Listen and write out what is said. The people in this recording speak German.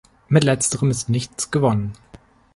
Mit Letzterem ist nichts gewonnen.